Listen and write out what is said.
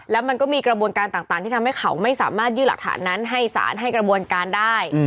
แล้วมันก็มีกระบวนการต่างที่ทำให้เขาไม่สามารถยื่นหลักฐานนั้นให้สารให้กระบวนการได้